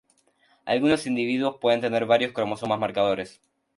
Algunos individuos pueden tener varios cromosomas marcadores.